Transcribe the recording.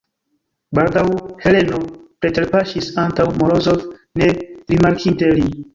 Baldaŭ Heleno preterpaŝis antaŭ Morozov, ne rimarkinte lin.